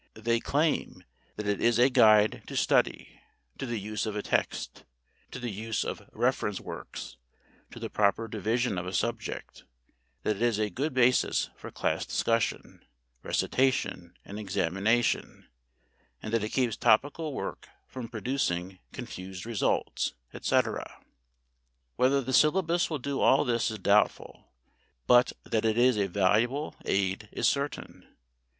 They claim that it is a guide to study, to the use of a text, to the use of reference works, to the proper division of a subject; that it is a good basis for class discussion, recitation, and examination; and that it keeps topical work from producing confused results, etc. Whether the syllabus will do all this is doubtful, but that it is a valuable aid is certain.